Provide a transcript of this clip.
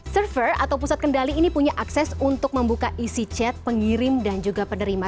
server atau pusat kendali ini punya akses untuk membuka isi chat pengirim dan juga penerima